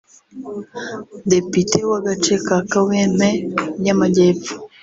depite w’agace ka Kawempe y’amajyepfo